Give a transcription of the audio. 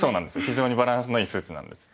非常にバランスのいい数値なんです。